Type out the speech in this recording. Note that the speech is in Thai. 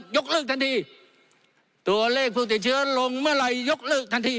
ยกเลิกทันทีตัวเลขผู้ติดเชื้อลงเมื่อไหร่ยกเลิกทันที